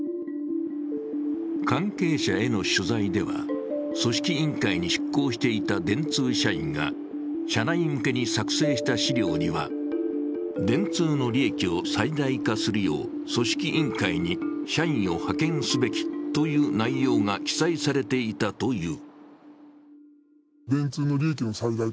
関係者への取材では、組織委員会に出向していた電通社員が社内向けに作成した資料には、電通の利益を最大化するよう組織委員会に社員を派遣すべきという内容が記載されていたという。